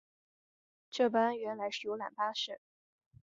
这班原来是游览巴士